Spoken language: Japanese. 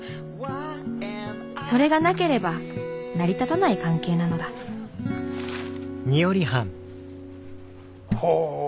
それがなければ成り立たない関係なのだほう。